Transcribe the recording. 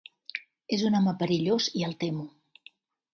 És un home perillós i el temo.